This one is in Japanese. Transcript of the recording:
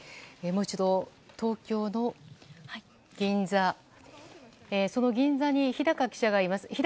もう一度、東京の銀座その銀座にヒダカ記者がいます。